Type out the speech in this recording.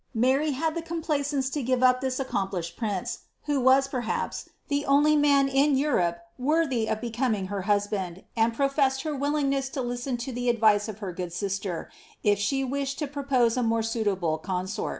Mary liad the complaisance lo give up litis accontplishei prince, who was, perhaps, the only man in Europe worthy of becomin| her husband, and professed her willingness lo listen to the advice of hei good sister, if she wished to propose a more suitable consort ' Trani'latinn bf Mt. Peck.